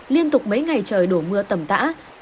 liên tục mấy ngày trời đổ mưa tầm tã